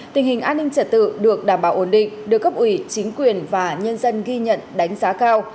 tình hình an ninh trật tự được đảm bảo ổn định được cấp ủy chính quyền và nhân dân ghi nhận đánh giá cao